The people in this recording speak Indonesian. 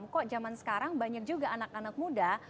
kok zaman sekarang banyak juga anak anak muda